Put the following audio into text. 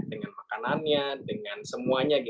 dengan makanannya dengan semuanya